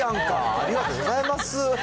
ありがとうございます。